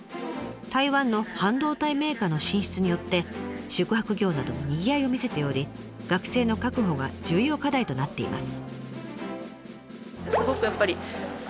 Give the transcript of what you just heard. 台湾の半導体メーカーの進出によって宿泊業などもにぎわいを見せており学生の確保が重要課題となっています。